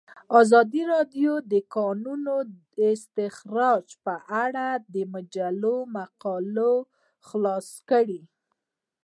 ازادي راډیو د د کانونو استخراج په اړه د مجلو مقالو خلاصه کړې.